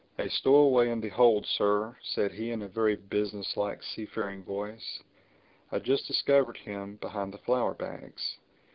"A stowaway in the hold, Sir," said he in a very business like seafaring voice. "I just discovered him, behind the flour bags."